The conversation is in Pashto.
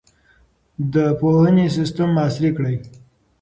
د پوهنې سیستم عصري کړئ.